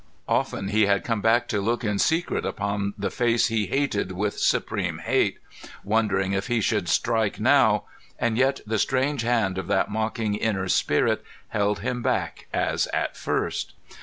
Often he had come back to look in secret upon the face he hated with supreme hate, wondering if he should strike now, and yet the strange hand of that mocking inner spirit held him back as at first.